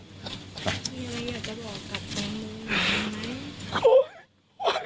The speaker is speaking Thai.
มีอะไรอยากจะบอกกับโมทันไหม